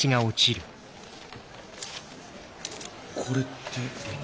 これって。